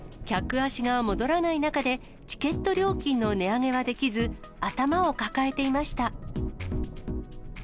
客足が戻らない中で、チケット料金の値上げはできず、頭を抱えていました。